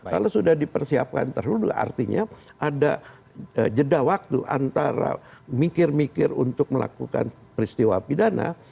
kalau sudah dipersiapkan terlebih dahulu artinya ada jeda waktu antara mikir mikir untuk melakukan peristiwa pidana